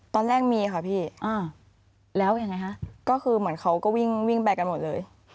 ตอนแรกมีค่ะพี่แล้วยังไงฮะก็คือเหมือนเขาก็วิ่งวิ่งไปกันหมดเลย